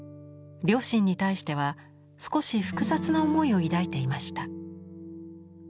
両親に対しては少し複雑な思いを抱いていました。